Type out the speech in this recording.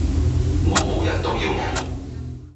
我無人都要無!